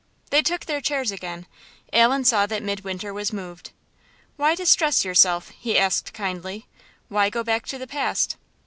They took their chairs again. Allan saw that Midwinter was moved. "Why distress yourself?" he asked, kindly "why go back to the past?"